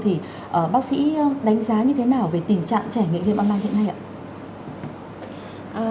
thì bác sĩ đánh giá như thế nào về tình trạng trẻ nghiện game online hiện nay ạ